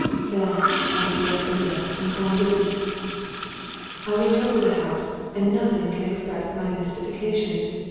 Then. I threw up the window and climbed in. I went over the house, and nothing can express my mys tification.